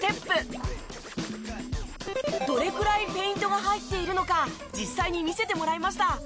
どれくらいフェイントが入っているのか実際に見せてもらいました。